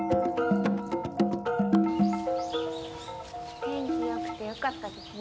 天気よくてよかったですね。